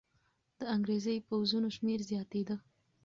د انګریزي پوځونو شمېر زیاتېده.